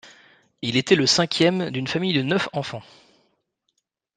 Il était le cinquième d'une famille de neuf enfants.